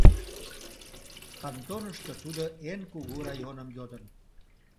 Кантонышто тудо эн кугу районым йодын.